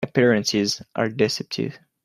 Appearances are deceptive.